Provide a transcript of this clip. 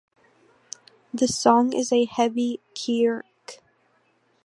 The song is a heavy “kieerr-ik”.